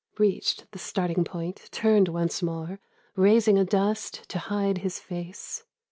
Reached the starting point, Turned once more Raising a dust to hide his face.